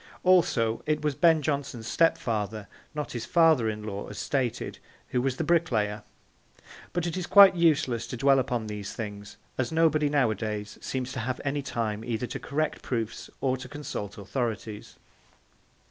Also, it was Ben Jonson's stepfather, not his 'father in law,' as stated, who was the bricklayer; but it is quite useless to dwell upon these things, as nobody nowadays seems to have any time either to correct proofs or to consult authorities.